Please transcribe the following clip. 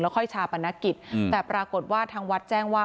ค่อยชาปนกิจแต่ปรากฏว่าทางวัดแจ้งว่า